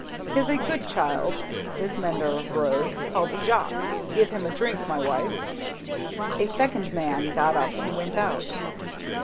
He is a good child, this mender of roads, called Jacques. Give him to drink, my wife!" A second man got up and went out.